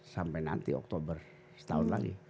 sampai nanti oktober setahun lagi